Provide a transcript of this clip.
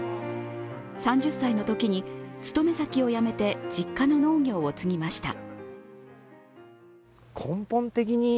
３０歳のときに勤め先を辞めて実家の農業を継ぎました。